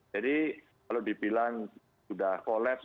jadi kalau dibilang sudah collapse